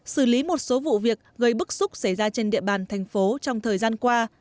xử lý một số vụ việc gây bức xúc xảy ra trên địa bàn thành phố trong thời gian qua